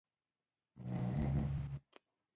تکاملي لید د هر څه د تکثیر معیار ته ګوري.